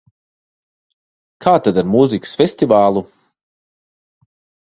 Kā tad ar mūzikas festivālu?